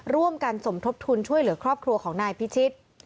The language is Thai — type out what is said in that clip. สมทบทุนช่วยเหลือครอบครัวของนายพิชิต